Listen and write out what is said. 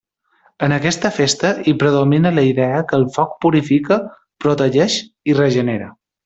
En aquesta festa, hi predomina la idea que el foc purifica, protegeix i regenera.